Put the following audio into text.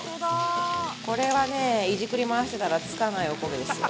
これはね、いじくり回してたらつかないおこげですよ。